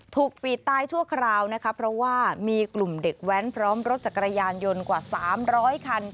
ถูกปิดตายชั่วคราวนะคะเพราะว่ามีกลุ่มเด็กแว้นพร้อมรถจักรยานยนต์กว่า๓๐๐คัน